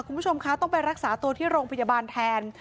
คุณผู้ชมคะต้องไปรักษาตัวที่โรงพยาบาลแทน